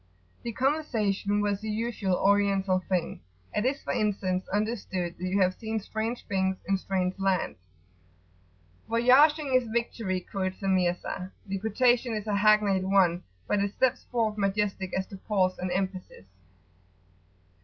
The conversation was the usual Oriental thing. It is, for instance, understood that you have seen strange things in strange lands. "Voyaging is victory," quotes the Mirza; the quotation is a hackneyed one, but it steps forth majestic as to pause and emphasis.